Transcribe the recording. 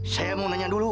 saya mau nanya dulu